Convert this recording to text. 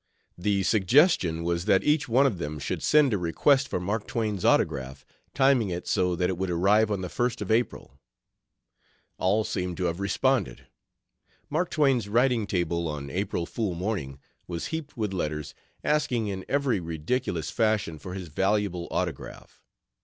The suggestion was that each one of them should send a request for Mark Twain's autograph, timing it so that it would arrive on the 1st of April. All seemed to have responded. Mark Twain's writing table on April Fool morning was heaped with letters, asking in every ridiculous fashion for his "valuable autograph."